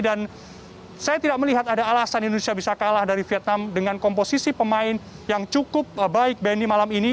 dan saya tidak melihat ada alasan indonesia bisa kalah dari vietnam dengan komposisi pemain yang cukup baik bany malam ini